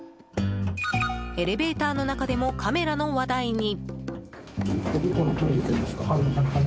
エレベーターの中でもカメラの話題に。